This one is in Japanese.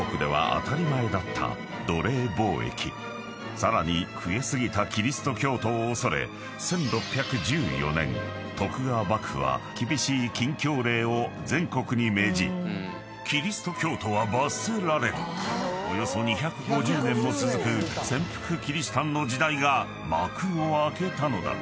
［さらに増え過ぎたキリスト教徒を恐れ１６１４年徳川幕府は厳しい禁教令を全国に命じキリスト教徒は罰せられるおよそ２５０年も続く潜伏キリシタンの時代が幕を開けたのだ］